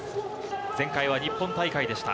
前回は日本大会でした。